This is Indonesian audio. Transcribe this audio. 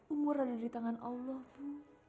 umur ada di tangan allah bu